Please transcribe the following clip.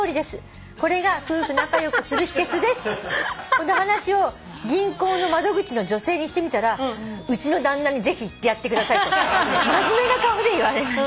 「この話を銀行の窓口の女性にしてみたらうちの旦那にぜひ言ってやってくださいと真面目な顔で言われました」